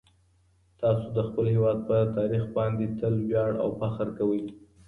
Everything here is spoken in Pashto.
تاسو د خپل هیواد په تاریخ باندې تل ویاړ او فخر کوئ.